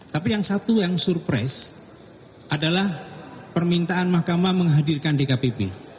tapi yang satu yang surprise adalah permintaan makamah menghadirkan dkpp